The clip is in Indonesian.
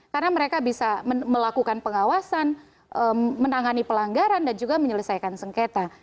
karena mereka bisa melakukan pengawasan menangani pelanggaran dan juga menyelesaikan sengketa